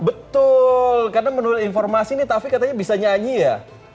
betul karena menurut informasi nih taufik katanya bisa nyanyi ya